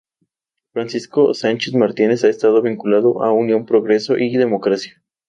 Francisco Sánchez Martínez ha estado vinculado a Unión Progreso y Democracia.